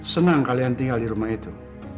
senang kalian tinggal di rumah itu